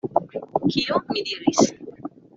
Kio? mi diris.